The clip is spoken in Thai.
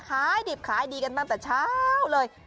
ขายดิบขายดีกันตั้งแต่เช้าเลย